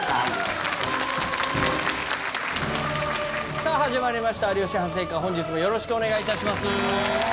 さぁ始まりました『有吉反省会』本日もよろしくお願いします。